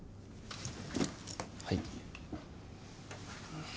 はい。